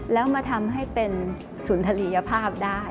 แล้วมาทำให้เป็นศูนย์ทรียภาพได้